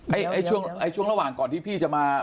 เดี๋ยวเดี๋ยวช่วงระหว่างก่อนที่พี่จะมา